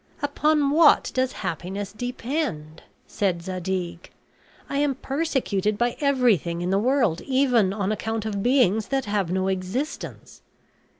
"Upon what does happiness depend?" said Zadig. "I am persecuted by everything in the world, even on account of beings that have no existence."